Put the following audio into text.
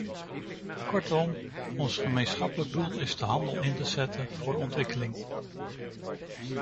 Kortom, ons gemeenschappelijke doel is de handel in te zetten voor ontwikkeling.